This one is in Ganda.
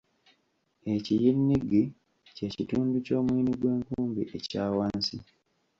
Ekiyiniggi kye kitundu ky’omuyini gw’enkumbi ekya wansi.